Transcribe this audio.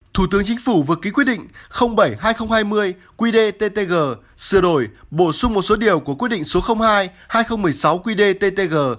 thủ tướng chính phủ vừa ký quyết định bảy hai nghìn hai mươi qd ttg sửa đổi bổ sung một số điều của quyết định số hai hai nghìn một mươi sáu qd ttg